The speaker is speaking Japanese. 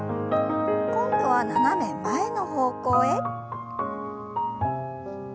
今度は斜め前の方向へ。